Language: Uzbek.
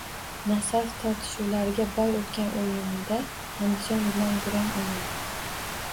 “Nasaf” tortishuvlarga boy o‘tgan o‘yinda “Andijon” bilan durang o‘ynadi